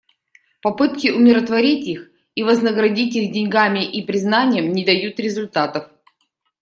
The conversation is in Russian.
Попытки умиротворить их и вознаградить их деньгами и признанием не дают результатов.